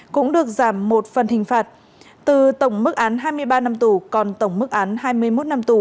cũng được giảm một phần hình phạt từ tổng mức án hai mươi ba năm tù còn tổng mức án hai mươi một năm tù